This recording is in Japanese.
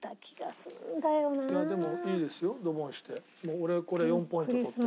俺これ４ポイント取ってるんで。